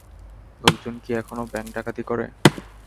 লোকজন কি এখনো ব্যাংক ডাকাতি করে?